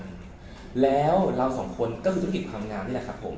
ก็คือธุรกิจความงามนี่แหละครับผม